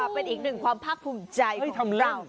เป็นอีกหนึ่งความพรรคภูมิใจของเรา